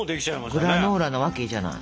グラノーラのわけじゃない。